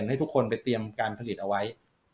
ให้ทุกคนไปเตรียมการผลิตเอาไว้